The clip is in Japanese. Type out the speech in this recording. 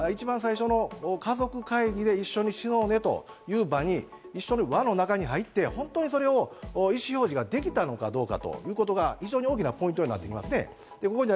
厳しい状態の方が一番最初の家族会議で、一緒に死のうねという場に一緒に輪の中に入って本当に、それを意思表示ができたのかどうかということが非常に大きなポイントになってきますね。